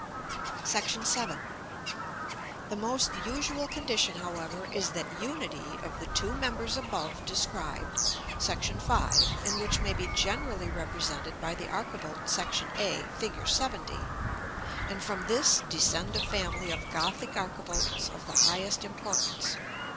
§ VII. The most usual condition, however, is that unity of the two members above described, § V., and which may be generally represented by the archivolt section a, Fig. LXX.; and from this descend a family of Gothic archivolts of the highest importance.